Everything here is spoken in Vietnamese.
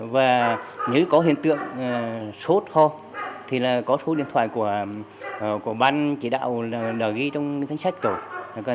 và nếu có hiện tượng sốt ho thì có số điện thoại của ban chỉ đạo đã ghi trong sách cổ